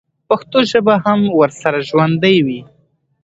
پښتو ژبه به هم ورسره ژوندۍ وي.